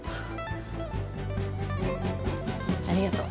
ありがとう。